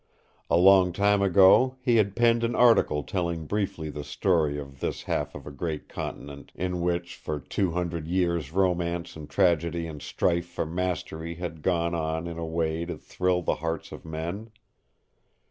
A long time ago he had penned an article telling briefly the story of this half of a great continent in which for two hundred years romance and tragedy and strife for mastery had gone on in a way to thrill the hearts of men.